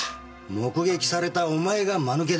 目撃されたお前がマヌケだ。